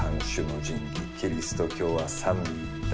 キリスト教は「三位一体」。